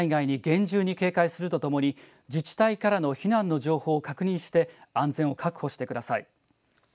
土砂災害に厳重に警戒するとともに自治体からの避難の情報を確認して安全を確保してください。